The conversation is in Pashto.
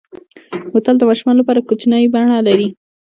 بوتل د ماشومو لپاره کوچنۍ بڼه لري.